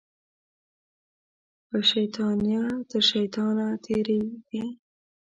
په شیطانیه تر شیطانه تېرې دي